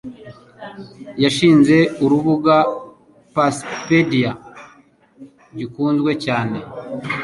yashinze urubuga Pussypedia gikunzwe cyane.